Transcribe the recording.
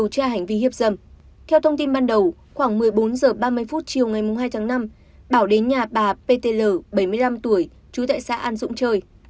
theo thông tin ban đầu khoảng một mươi bốn h ba mươi chiều ngày hai tháng năm bảo đến nhà bà p t l bảy mươi năm tuổi chú tại xã an dũng chơi